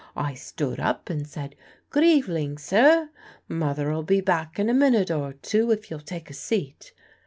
I stood up and said, 'Good eveling, sir. Mother'll be back in a minute or two if you'll take a seat.'"